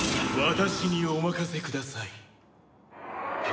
私にお任せください。